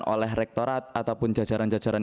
oleh rektorat ataupun jajaran jajaran